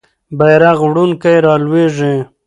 بیرغ وړونکی رالویږي.